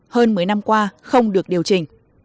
hơn mấy năm qua không được điều chỉnh